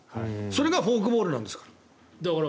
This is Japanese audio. それがフォークボールなんですから。